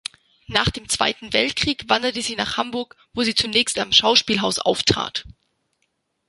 Nach dem Zweiten Weltkrieg wanderte sie nach Hamburg, wo sie zunächst am Schauspielhaus auftrat.